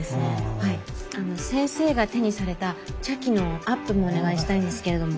先生が手にされた茶器のアップもお願いしたいんですけれども。